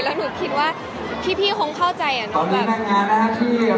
แล้วหนูคิดว่าพี่คงเข้าใจหนูแบบ